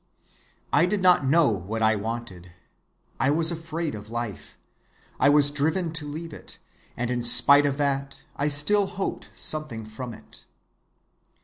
"I did not know what I wanted. I was afraid of life; I was driven to leave it; and in spite of that I still hoped something from it.